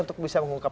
untuk bisa mengungkap